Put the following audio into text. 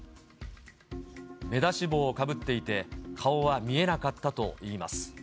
目出し帽をかぶっていて、顔は見えなかったといいます。